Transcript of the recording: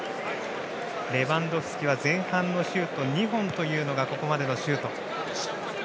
レバンドフスキは前半のシュート２本がここまでのシュート。